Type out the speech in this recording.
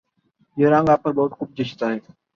یہ رنگ آپ پر خوب جچتا ہے